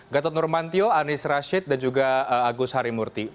gatot nurmantio anies rashid dan juga agus harimurti